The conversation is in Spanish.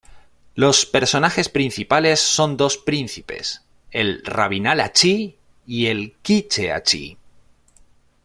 Los personajes principales son dos príncipes: el "Rabinal Achí" y el "K’iche Achí".